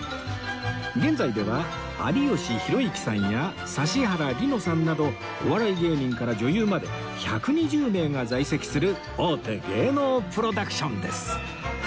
現在では有吉弘行さんや指原莉乃さんなどお笑い芸人から女優まで１２０名が在籍する大手芸能プロダクションです